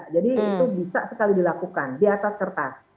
itu bisa sekali dilakukan di atas kertas